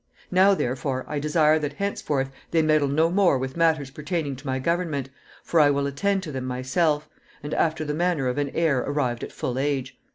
Now, therefore, I desire that henceforth they meddle no more with matters pertaining to my government, for I will attend to them myself, and after the manner of an heir arrived at full age.